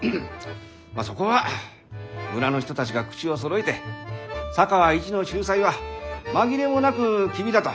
まあそこは村の人たちが口をそろえて佐川一の秀才は紛れもなく君だと。